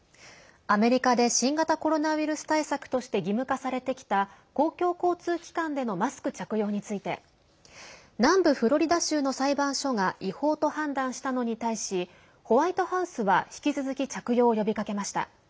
アメリカで新型コロナウイルス対策として義務化されてきた公共交通機関でのマスク着用について南部フロリダ州の裁判所が違法と判断したのに対しホワイトハウスは引き続き着用を呼びかけました。